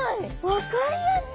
分かりやすい！